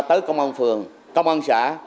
tới công an phường công an xã